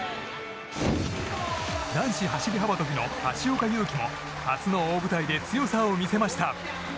男子走り幅跳びの橋岡優輝も初の大舞台で強さを見せました。